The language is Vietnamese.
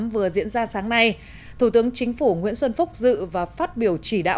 hai nghìn hai nghìn một mươi tám vừa diễn ra sáng nay thủ tướng chính phủ nguyễn xuân phúc dự và phát biểu chỉ đạo